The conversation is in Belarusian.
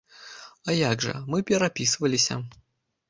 А як жа, мы перапісваліся!